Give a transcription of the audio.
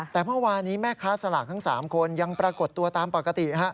แต่เมื่อวานี้แม่ค้าสลากทั้ง๓คนยังปรากฏตัวตามปกติ